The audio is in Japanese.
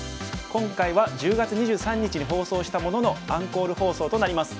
今回は１０月２３日に放送したもののアンコール放送となります。